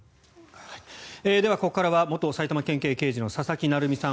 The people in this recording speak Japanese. ここからは元埼玉県警刑事の佐々木成三さん